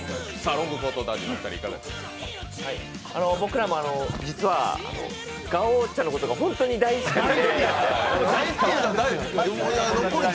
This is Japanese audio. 僕らも実はガオちゃんのことか本当に大好きで。